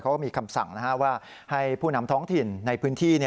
เขาก็มีคำสั่งว่าให้ผู้นำท้องถิ่นในพื้นที่